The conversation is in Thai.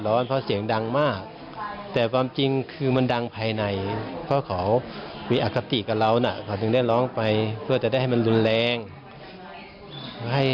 เดี๋ยวเราคุยให้หมดทุกด้านนะครับทุกผู้ชมครับ